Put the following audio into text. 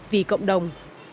vì cộng đồng